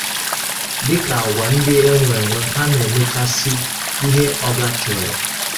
Dịka agwa ndị e nwe enwe ha na-emechasị ihe ọga chọrọ